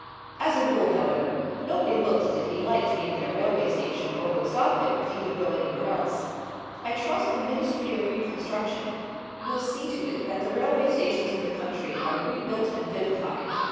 As a rule, however, nobody looks as if he liked being in a railway station or would stop there if he could go anywhere else. I trust the Ministry of Reconstruction will see to it that the railway stations of the country are rebuilt and vivified.